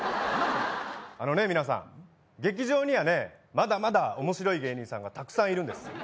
あのね皆さん劇場にはねまだまだおもしろい芸人さんがたくさんいるんです。